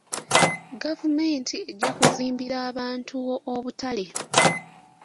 Gavumenti ejja kuzimbira abantu obutale.